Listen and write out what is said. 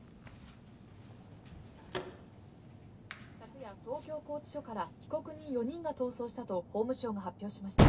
昨夜東京拘置所から被告人４人が逃走したと法務省が発表しました。